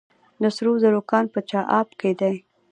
د سرو زرو کان په چاه اب کې دی